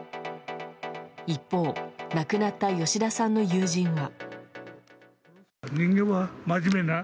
一方、亡くなった吉田さんの友人は。